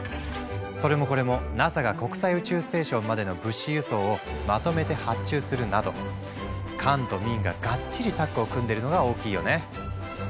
それもこれもＮＡＳＡが国際宇宙ステーションまでの物資輸送をまとめて発注するなど官と民ががっちりタッグを組んでるのが大きいよね。